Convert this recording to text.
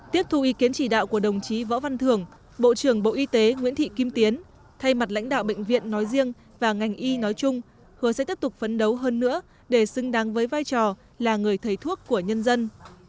tiếp thu ý kiến chỉ đạo của đồng chí võ văn thường bộ trưởng bộ y tế nguyễn thị kim tiến thay mặt lãnh đạo bệnh viện nói riêng và ngành y nói chung huế sẽ tiếp tục phấn đấu hơn nữa để xứng đáng với vai trò là người thầy thuốc của nhân dân